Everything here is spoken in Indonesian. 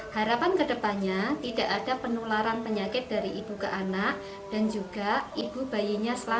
harapan kedepannya tidak ada penularan penyakit dari ibu ke anak dan juga ibu bayinya selamat